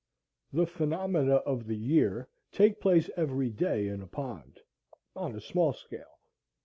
The phenomena of the year take place every day in a pond on a small scale.